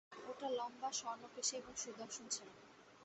ওটা লম্বা, স্বর্ণকেশী এবং সুদর্শন ছিল।